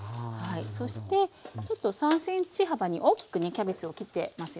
そしてちょっと３ｃｍ幅に大きくねキャベツを切ってますよね。